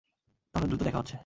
তাহলে দ্রুত দেখা হচ্ছে।